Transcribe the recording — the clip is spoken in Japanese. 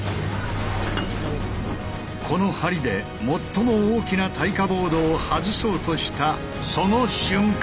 この梁で最も大きな耐火ボードを外そうとしたその瞬間！